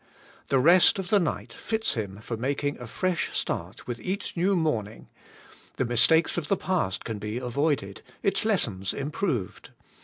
The rest of the night fits him for making a fresh start with each new morning; the mistakes of the past can be avoided, its lessons improved.